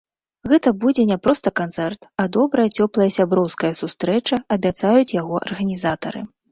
Гэта будзе не проста канцэрт, а добрая цёплая сяброўская сустрэча, абяцаюць яго арганізатары.